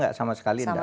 gak sama sekali